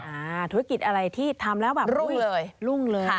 ธุรกิจอะไรที่ทำแล้วแบบรุ่งเลย